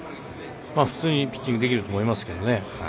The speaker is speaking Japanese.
普通に、いいピッチングできると思いますけどね。